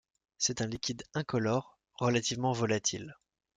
C'est un liquide incolore, relativement volatil.